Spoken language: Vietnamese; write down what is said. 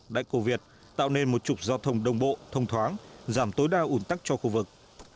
đã cố việt tạo nên một trục giao thông đông bộ thông thoáng giảm tối đa ủn tắc cho khu vực